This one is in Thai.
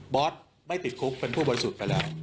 อสไม่ติดคุกเป็นผู้บริสุทธิ์ไปแล้ว